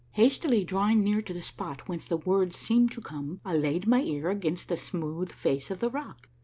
Hastily drawing near to the spot whence the words seemed to come, I laid my ear against the smooth face of the rock.